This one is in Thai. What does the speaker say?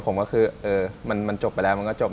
ผมก็คือมันจบไปแล้วมันก็จบ